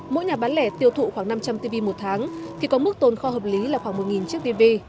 mỗi nhà bán lẻ tiêu thụ khoảng năm trăm linh tv một tháng thì có mức tồn kho hợp lý là khoảng một chiếc tv